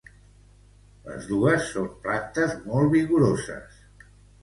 Els dos són plantes molt vigoroses.